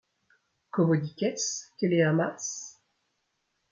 Como dices que le Hamas ?